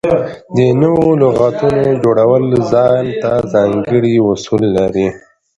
د نوو لغاتونو جوړول ځان ته ځانګړي اصول لري.